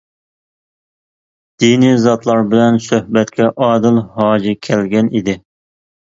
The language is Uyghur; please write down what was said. دىنى زاتلار بىلەن سۆھبەتكە ئادىل ھاجى كەلگەن ئىدى.